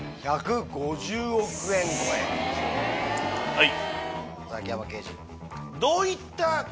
はい！